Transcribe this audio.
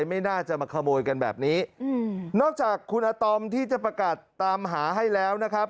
ไม่น่าจะมาขโมยกันแบบนี้อืมนอกจากคุณอาตอมที่จะประกาศตามหาให้แล้วนะครับ